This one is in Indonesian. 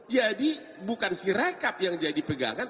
jadi bukan si rekap yang jadi pegangan